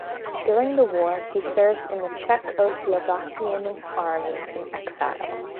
During the war he served in the Czechoslovakian army in exile.